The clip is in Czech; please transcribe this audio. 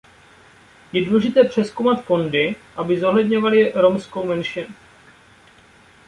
Je důležité přezkoumat fondy, aby zohledňovaly romskou menšinu.